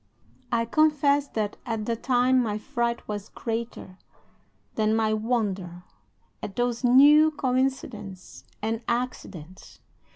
"I confess that at the time my fright was greater than my wonder at those new COINCIDENCES and ACCIDENTS.